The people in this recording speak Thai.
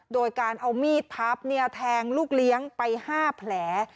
โดยการเอามีดพับแทงลูกเลี้ยงไป๕แผล